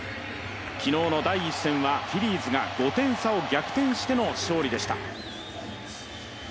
昨日の第１戦はフィリーズが５点差を逆転しての勝利でした。